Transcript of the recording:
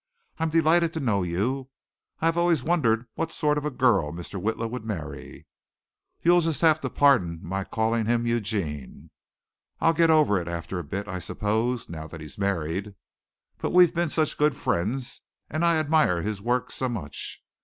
"I'm delighted to know you. I have always wondered what sort of a girl Mr. Witla would marry. You'll just have to pardon my calling him Eugene. I'll get over it after a bit, I suppose, now that he's married. But we've been such good friends and I admire his work so much.